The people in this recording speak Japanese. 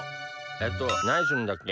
えっとなにするんだっけ？